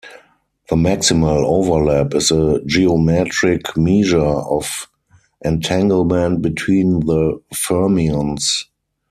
The maximal overlap is a geometric measure of entanglement between the fermions.